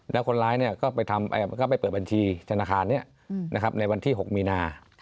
แล้วคนร้ายก็ไปเปิดบัญชีธนาคารนี้ในวันที่๖มีนา